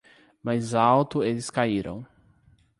Mais alto eles caíram.